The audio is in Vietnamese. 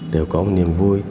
đều có một niềm vui